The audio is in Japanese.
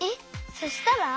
そしたら？